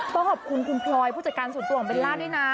ต้องขอบคุณคุณพลอยผู้จัดการส่วนตัวของเบลล่าด้วยนะ